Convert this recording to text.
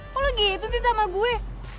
kok lo gitu sih sama gue